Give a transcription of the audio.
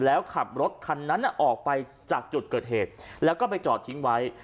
แล้วขับรถคันนั้นออกไปจากจุดเกิดเหตุแล้วก็ไปจอดทิ้งไว้